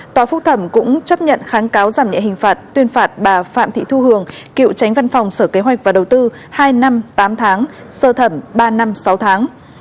tòa phúc thẩm cũng chấp nhận kháng cáo giảm nhẹ hình phạt tuyên phạt bà phạm thị thu hường cựu tránh văn phòng sở kế hoạch và đầu tư hai năm tám tháng sơ thẩm ba năm sáu tháng